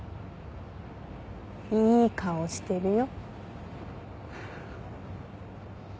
いい顔してるよ。